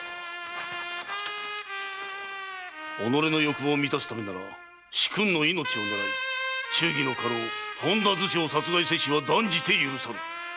己の欲望を満たすためなら主君の命を狙い忠義の家老・本多図書を殺害せしは断じて許さぬ。